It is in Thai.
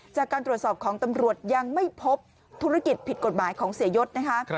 จากการตรวจสอบของตำรวจยังไม่พบธุรกิจผิดกฎหมายของเสียยศนะคะ